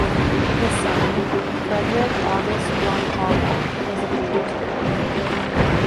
His son Friedrich August von Kaulbach was a painter too.